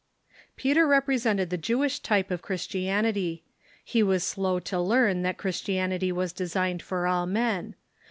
Peter represented the Jewish type of Christianity. He was slow to learn that Christianity was designed for all men.